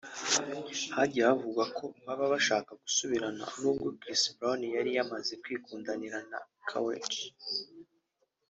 hagiye havugwa ko baba bashaka gusubirana n’ubwo Chris Brown yari yaramaze kwikundanira na Karrueche